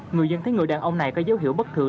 người dân thấy người đàn ông này có dấu hiệu bất thường